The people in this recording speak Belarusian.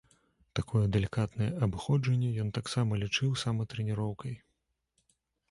Такое далікатнае абыходжанне ён таксама лічыў саматрэніроўкай.